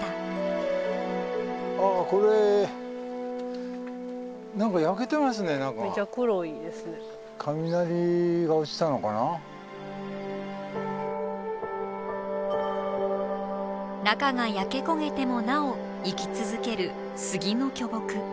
ああこれ中が焼け焦げてもなお生き続ける杉の巨木。